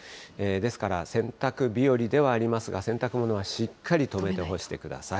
ですから、洗濯日和ではありますが、洗濯物はしっかり留めて干してください。